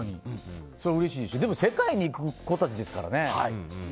でも世界に行く子たちですからね。